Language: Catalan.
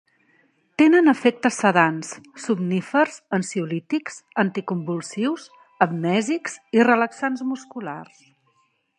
Tenen efectes sedants, somnífers, ansiolítics, anticonvulsius, amnèsics i relaxants musculars.